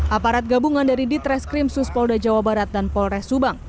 aparat gabungan dari ditres krimsus polda jawa barat dan polres subang